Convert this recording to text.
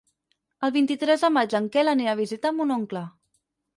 El vint-i-tres de maig en Quel anirà a visitar mon oncle.